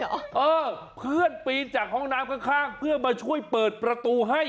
เออเพื่อนปีนจากห้องน้ำข้างเพื่อมาช่วยเปิดประตูให้